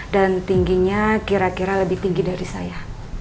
dan tingginya kira kira lebih tinggi dari saya